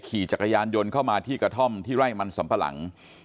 ขี่จักรยานยนต์เข้ามาที่กระท่อมที่ไร่มันสำปะหลัง